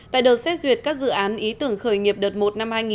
tại đợt xét duyệt các dự án ý tưởng khởi nghiệp đợt mỗi